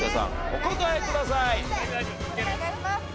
お答えください！